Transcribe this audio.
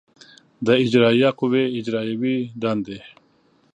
د اجرایه قوې اجرایوې دندې